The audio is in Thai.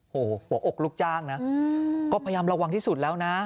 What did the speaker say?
โอ้โหหัวอกลูกจ้างนะก็พยายามระวังที่สุดแล้วนะ